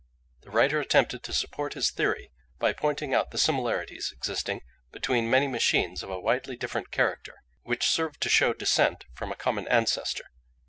The writer attempted to support his theory by pointing out the similarities existing between many machines of a widely different character, which served to show descent from a common ancestor.